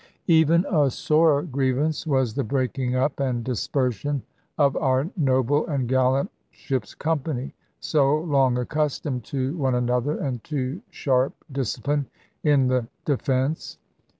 Even a sorer grievance was the breaking up and dispersion of our noble and gallant ship's company, so long accustomed to one another and to sharp discipline in the Defence.